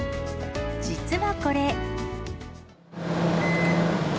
実はこれ。